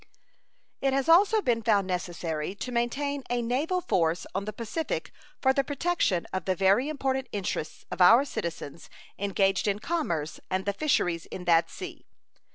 It has also been found necessary to maintain a naval force on the Pacific for the protection of the very important interests of our citizens engaged in commerce and the fisheries in that sea.